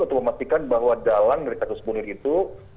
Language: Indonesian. untuk memastikan bahwa dalang dari status bunuh itu